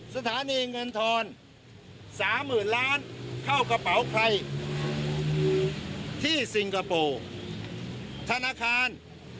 สถานีเงินทอน๓๐๐๐ล้านเข้ากระเป๋าใครที่สิงคโปร์ธนาคาร